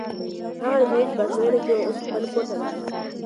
هغه نجلۍ چې په ازموینه کې وه، اوس خپل کور ته لاړه.